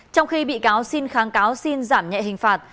trong khi bị cáo xin kháng cáo xin giảm nhẹ hình phạt